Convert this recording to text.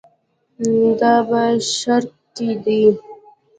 دا په شرق کې دي.